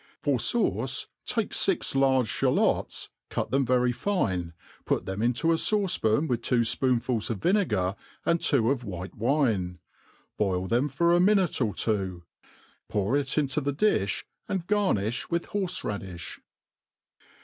For fauce take fix large ihalots, cut them very fine, put them itito a fauce pan with two fpoonfuls of vinegar, and two of white wUie;, boil them for a minute or two, pour it into the difli, and gar* nifli with faorfe*radifh.